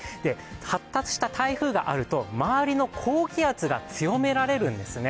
発達した台風があると周りの高気圧が強められるんですね。